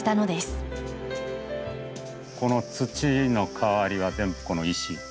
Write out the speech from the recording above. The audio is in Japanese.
この土の代わりは全部この石。